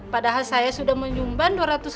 padahal saya sudah menyumbang rp dua ratus